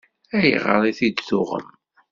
Ayɣer i t-id-tuɣem?